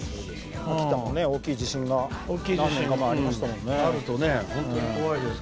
秋田も大きい地震がありましたもんね。